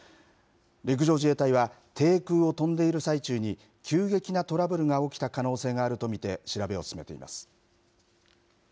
陸上自衛隊は、低空を飛んでいる最中に、急激なトラブルが起きた可能性があると見て、調べを進めています。